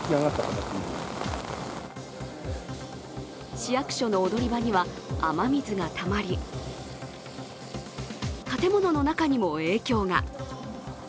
市役所の踊り場には、雨水がたまり、建物の中にも影響が。